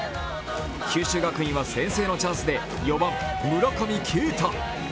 九州学院は先制のチャンスで４番・村上慶太。